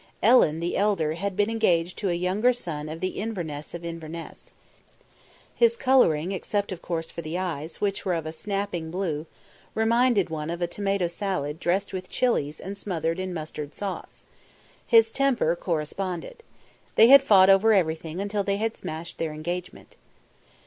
Ellen, the elder, had been engaged to a younger son of The Inverness of Inverness. His colouring, except of course for the eyes, which were of a snapping blue, reminded one of a tomato salad dressed with chilis and smothered in mustard sauce. His temper corresponded. They had fought over everything until they had smashed their engagement.